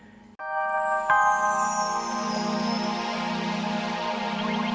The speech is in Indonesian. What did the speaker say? aku masih ingat